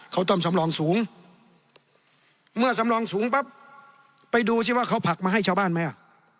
เขาต้องสำรองสูงเมื่อสำรองสูงปั๊บไปดูสิว่าเขาผลักมาให้ชาวบ้านไหมอ่ะ